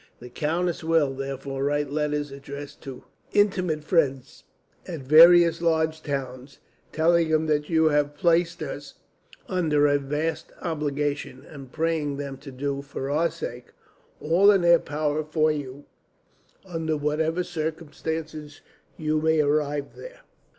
The countess will, therefore, write letters addressed to intimate friends at various large towns; telling them that you have placed us under a vast obligation, and praying them to do, for our sake, all in their power for you, under whatever circumstances you may arrive there.